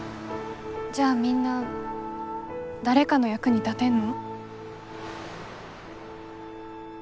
じゃあみんな誰かの役に立てんの？